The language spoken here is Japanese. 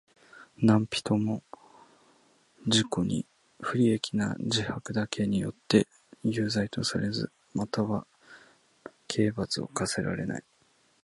何人（なんびと）も自己に不利益な自白だけによっては有罪とされず、または刑罰を科せられない。